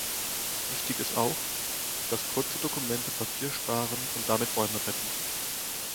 Richtig ist auch, dass kurze Dokumente Papier sparen und damit Bäume retten.